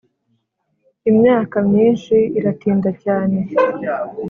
imyaka myinshi iratinda cyane